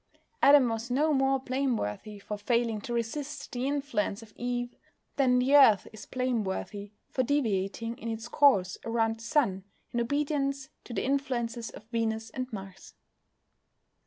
Adam was no more blameworthy for failing to resist the influence of Eve than the Earth is blameworthy for deviating in its course around the Sun, in obedience to the influences of Venus and Mars.